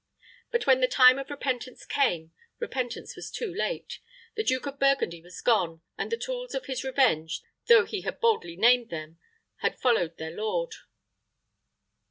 But when the time of repentance came, repentance was too late. The Duke of Burgundy was gone, and the tools of his revenge, though he had boldly named them, had followed their lord.